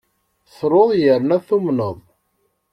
Truḍ yerna tumneḍ.